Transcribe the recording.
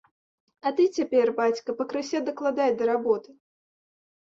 А ты цяпер, бацька, пакрысе дакладай да работы.